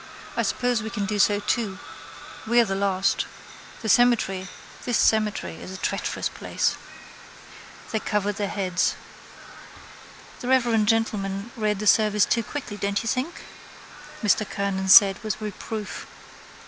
I suppose we can do so too. We are the last. This cemetery is a treacherous place. They covered their heads. —The reverend gentleman read the service too quickly, don't you think? Mr Kernan said with reproof.